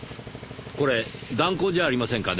これ弾痕じゃありませんかね？